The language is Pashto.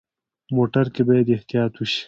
موټر کې باید احتیاط وشي.